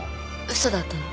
嘘だったの？